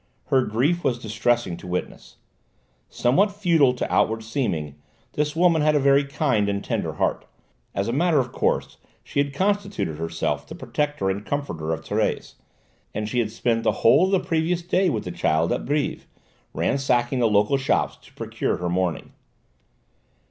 Her grief was distressing to witness. Somewhat futile to outward seeming, this woman had a very kind and tender heart; as a matter of course she had constituted herself the protector and comforter of Thérèse, and she had spent the whole of the previous day with the child at Brives, ransacking the local shops to procure her mourning.